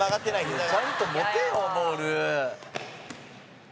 高橋：ちゃんと持てよ、ボール！